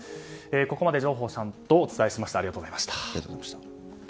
ここまで上法さんとお伝えしました。